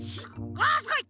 あすごい！